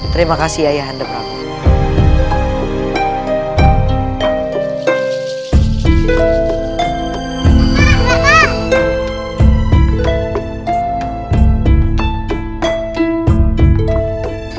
terima kasih ayahanda prabu